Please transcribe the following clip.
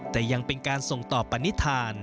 แต่ยังเป็นการส่งต่อปณิธาน